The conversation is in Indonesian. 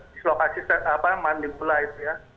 dislokasi manipulasi ya